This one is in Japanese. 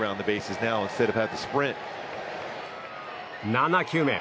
７球目。